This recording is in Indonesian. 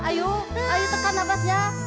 ayo dikit lagi elah